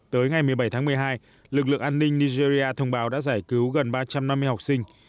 tới ngày một mươi bảy tháng một mươi hai lực lượng an ninh nigeria thông báo đã giải cứu gần ba trăm năm mươi học sinh